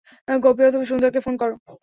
গোপি অথবা সুন্দরকে ফোন করো।